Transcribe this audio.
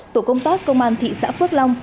tổ công tác công an thị xã phước long